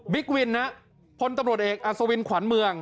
บิ๊กวินนะคนตำรวจเอกอัศวินขวานเมือง